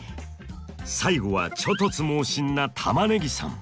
最後は猪突猛進なたまねぎさん。